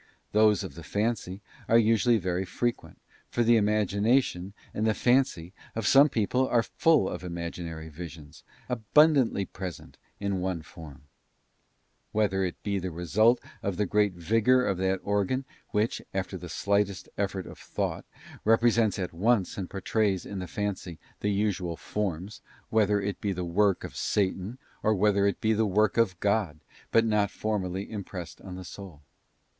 Those of the fancy are usually very frequent, for the imagination and the fancy of some people are full of imaginary visions, abundantly present in one form ; whether it be the result of the great vigour of that organ which, after the slightest effort of thought, repre sents at once and portrays in the fancy the usual forms, whether it be the work of Satan, or whether it be the work BOOK Til. Third kind of Apprehen sions,— Memory of the purely Spiritual. 236 THE ASCENT OF MOUNT CARMEL. of God, but not formally impressed on the soul.